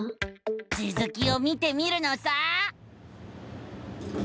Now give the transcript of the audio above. つづきを見てみるのさ！